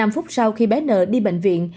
năm phút sau khi bé nvhn đi bệnh viện